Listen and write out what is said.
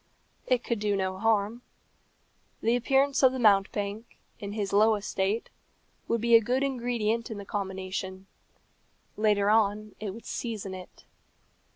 It could do no harm. The appearance of the mountebank, in his low estate, would be a good ingredient in the combination; later on it would season it.